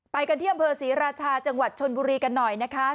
ไปกันที่อำเภอศรีราชาจังหวัดชนบุรีกันหน่อยนะคะ